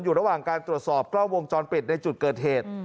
อยู่ระหว่างการตรวจสอบกล้องวงจรปิดในจุดเกิดเหตุ